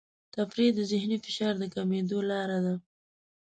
تفریح د ذهني فشار د کمېدو لاره ده.